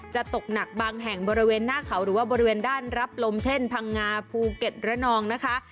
จะตกหนักบางแห่งบริเวณหน้าเขาหรือว่าบริเวณด้านรับลมเช่นพังงาภูเก็ตระนองนะคะ